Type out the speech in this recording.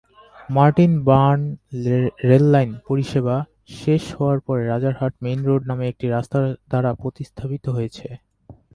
Martin Burn rail line পরিষেবা শেষ হওয়ার পরে রাজারহাট মেইন রোড নামে একটি রাস্তা দ্বারা প্রতিস্থাপিত হয়েছে।